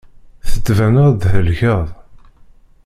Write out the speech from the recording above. Tettbineḍ-d thelkeḍ.